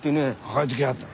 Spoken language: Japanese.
帰ってきはった。